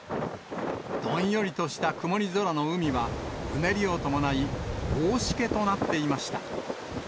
どんよりとした曇り空の海は、うねりを伴い大しけとなっていました。